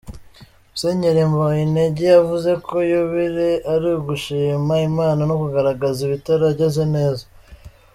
Musenyeri Mbonyintege yavuze ko yubile ari ugushima Imana no kugaragaza ibitaragenze neza.